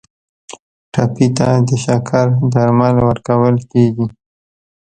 ټپي ته د شکر درمل ورکول کیږي.